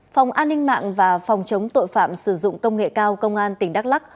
phòng an ninh mạng và phòng chống tội phạm sử dụng công nghệ cao công an tỉnh đắk lắc